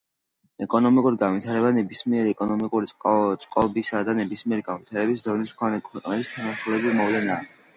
ეკონომიკური განვითარება ნებისმიერი ეკონომიკური წყობისა და ნებისმიერი განვითარების დონის მქონე ქვეყნების თანმხლები მოვლენაა.